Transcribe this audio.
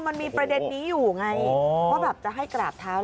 มันมีประเด็นนี้อยู่ไงว่าแบบจะให้กราบเท้า